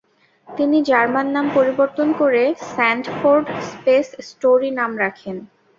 তিনি জার্মান নাম পরিবর্তন করে স্যান্ডফোর্ড স্পেন্স স্টোরি নাম রাখেন।